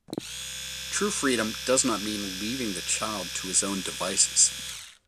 True freedom does not mean leaving the child to his own devices.